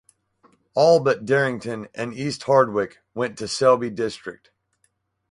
All but Darrington and East Hardwick went to Selby district.